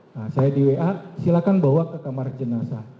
nah saya di wa silakan bawa ke kamar jenazah